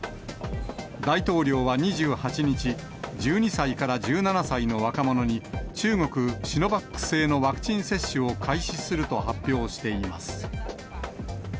大統領は２８日、１２歳から１７歳の若者に、中国・シノバック製のワクチン接種を開始すると発表しています。